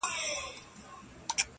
ورور هم فشار للاندي دی او خپل عمل پټوي,